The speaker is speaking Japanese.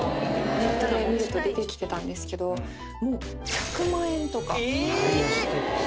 ネットで見ると出てきてたんですけどもう１００万円とか！